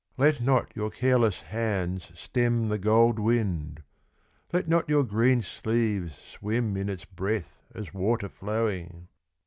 Let not your careless ha: Stem the gold wind ! Let not your green sleev Swim in its breatli As water flowing